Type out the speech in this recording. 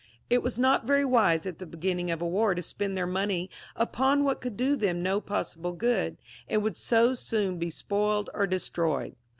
It was not very wise at the beginning of a war to spend their money upon what could do them no possible good, and would so soon be spoiled or destroyed.